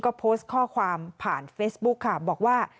ก็โพสต์ข้อความผ่านเฟซบุ๊คค่ะบอกว่า